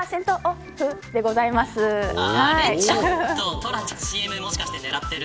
トラちゃん、ＣＭもしかして狙っている。